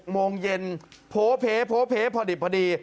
โมงเย็นโพเพโพเพพอดิบพอดี